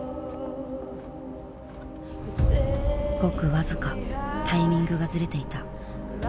ごく僅かタイミングがズレていた。